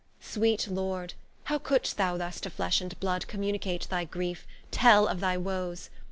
Sweet Lord, how couldst thou thus to flesh and blood Communicate thy griefe? tell of thy woes?